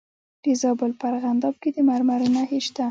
د زابل په ارغنداب کې د مرمرو نښې شته.